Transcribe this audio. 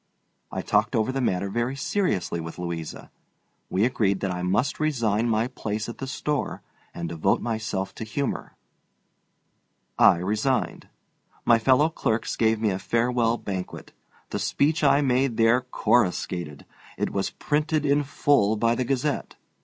I talked over the matter very seriously with Louisa. We agreed that I must resign my place at the store and devote myself to humor. I resigned. My fellow clerks gave me a farewell banquet. The speech I made there coruscated. It was printed in full by the Gazette.